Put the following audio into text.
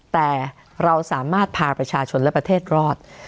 แต่เราสามารถพาประชาชนและประเทศรอด